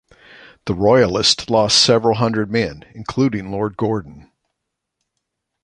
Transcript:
The Royalists lost several hundred men, including Lord Gordon.